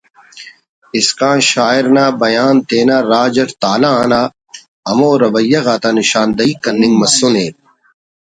اسکان شاعر نا بیان تینا راج اٹ تالان آ ہمو رویہ غاتا نشاندہی کننگ مسنے